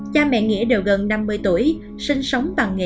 cha mẹ nghĩa đều gần năm mươi tuổi